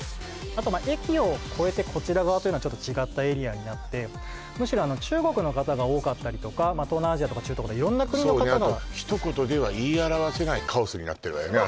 あと駅を越えてこちら側というのはちょっと違ったエリアになってむしろ中国の方が多かったりとか東南アジアとか中東色んな国の方がそうねあとになってるわよね